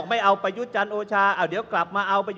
คุณจิลายุเขาบอกว่ามันควรทำงานร่วมกัน